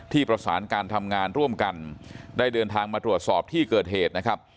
ประสานการทำงานร่วมกันได้เดินทางมาตรวจสอบที่เกิดเหตุนะครับ